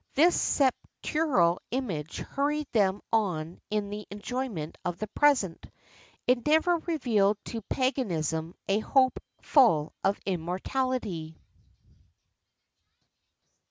This sepulchral image hurried them on in the enjoyment of the present: it never revealed to paganism a "hope full of immortality."